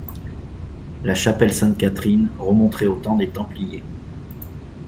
La chapelle Sainte-Catherine, remonterait au temps des templiers.